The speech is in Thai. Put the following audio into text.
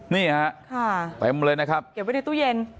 นี่ฮะเต็มเลยนะครับเก็บไว้ในตู้เย็น